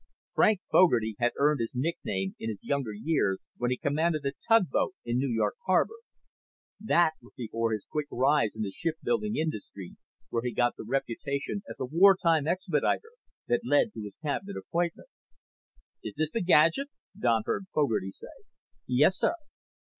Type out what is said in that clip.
Frank Fogarty had earned his nickname in his younger years when he commanded a tugboat in New York Harbor. That was before his quick rise in the shipbuilding industry where he got the reputation as a wartime expediter that led to his cabinet appointment. "Is this the gadget?" Don heard Fogarty say. "Yes, sir."